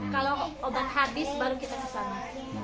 kalau obat habis baru kita kesana